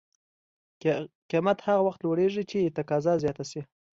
قیمت هغه وخت لوړېږي چې تقاضا زیاته شي.